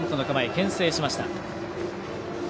けん制しました。